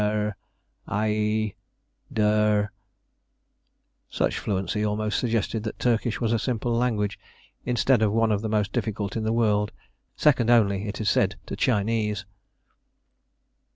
er ... er ... aie ... der.... Such fluency almost suggested that Turkish was a simple language, instead of one of the most difficult in the world, second only, it is said, to Chinese.